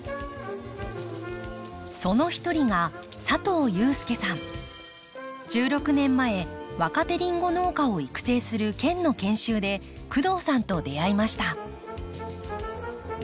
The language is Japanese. その一人が１６年前若手リンゴ農家を育成する県の研修で工藤さんと出会いました。